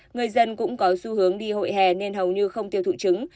người dân cũng có xu hướng đi hội hè nên hầu như không tiêu thụ trứng